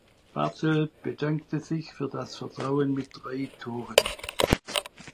Barthel bedankte sich für das Vertrauen mit drei Toren.